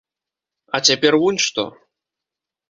А цяпер вунь што!